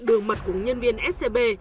đường mật của nhân viên scb